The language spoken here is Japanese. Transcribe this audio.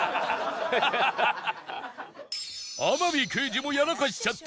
天海刑事もやらかしちゃった